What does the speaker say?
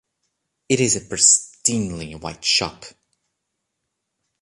It is a pristinely white shop.